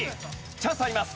チャンスあります。